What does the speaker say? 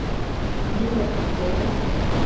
Mimba kutoka